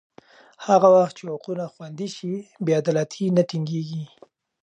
هغه وخت چې حقونه خوندي شي، بې عدالتي نه ټینګېږي.